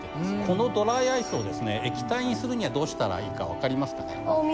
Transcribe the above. このドライアイスを液体にするにはどうしたらいいか分かりますかね？